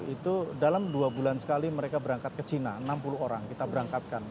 itu dalam dua bulan sekali mereka berangkat ke cina enam puluh orang kita berangkatkan